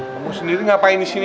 kamu sendiri ngapain disini